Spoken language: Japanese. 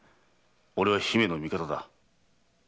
俺は姫の味方だ。